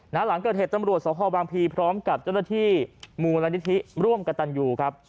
หลังเกิดเหตุตำรวจสภบางพีพร้อมกับเจ้าหน้าที่มูลนิธิร่วมกับตันยูครับ